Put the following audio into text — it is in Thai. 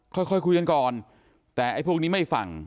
ค่อยคุยกันก่อนแต่ไอ้พวกนี้ไม่ฟัง